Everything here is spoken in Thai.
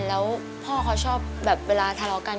แล้วพ่อเขาชอบแบบเวลาทะเลาะกัน